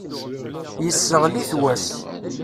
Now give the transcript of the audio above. Yesseɣli-t wass.